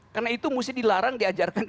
karena itu mesti dilarang diajarkan di